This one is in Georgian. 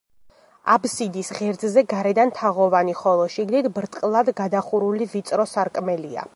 აბსიდის ღერძზე გარედან თაღოვანი, ხოლო შიგნით ბრტყლად გადახურული ვიწრო სარკმელია.